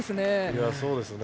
いやそうですね。